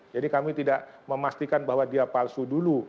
jadi kami tidak memastikan bahwa dia palsu dulu